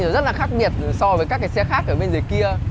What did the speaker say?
rất là khác biệt so với các cái xe khác ở bên dưới kia